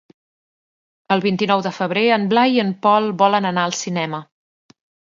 El vint-i-nou de febrer en Blai i en Pol volen anar al cinema.